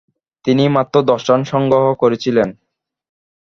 তিনি মাত্র দশ রান সংগ্রহ করেছিলেন।